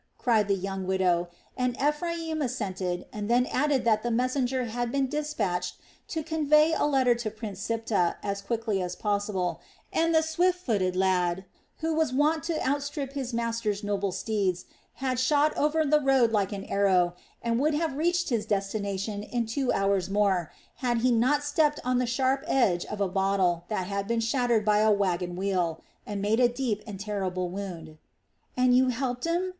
cried the young widow, and Ephraim assented and then added that the messenger had been despatched to convey a letter to Prince Siptah as quickly as possible, and the swift footed lad, who was wont to outstrip his master's noble steeds, had shot over the road like an arrow and would have reached his destination in two hours more, had he not stepped on the sharp edge of a bottle that had been shattered by a wagon wheel and made a deep and terrible wound. "And you helped him?"